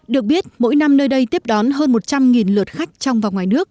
được biết mỗi năm nơi đây tiếp đón hơn một trăm linh lượt khách trong và ngoài nước